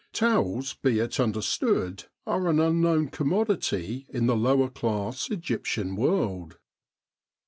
Towels, be it understood, are an unknown commodity in the lower class Egyptian world.